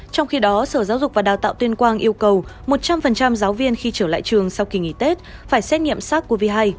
trong khi đó sở giáo dục và đào tạo tuyên quang yêu cầu một trăm linh giáo viên khi trở lại trường sau kỳ nghỉ tết phải xét nghiệm sars cov hai